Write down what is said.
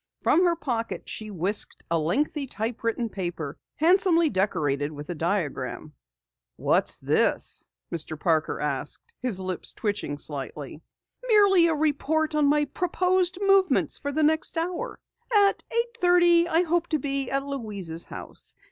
From her pocket she whisked a lengthy typewritten paper, handsomely decorated with a diagram. "What's this?" Mr. Parker asked, his lips twitching slightly. "Merely a report on my proposed movements for the next hour. At eight thirty I hope to be at Louise's house.